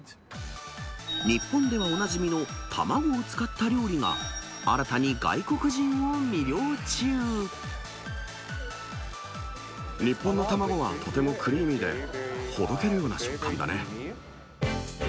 日本ではおなじみの卵を使っ日本の卵はとてもクリーミーで、ほどけるような食感だね。